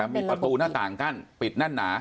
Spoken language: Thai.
มีประตูหน้าต่างกั้นปิดแน่นหนา